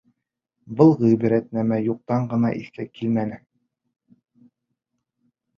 Был ғибрәтнамә юҡтан ғына иҫкә килмәне.